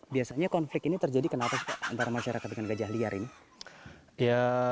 biasanya konflik ini terjadi kenapa sih pak antara masyarakat dengan gajah liar ini